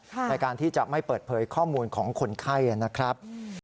ในการที่จะไม่เปิดเผยข้อมูลของคนไข้นะครับ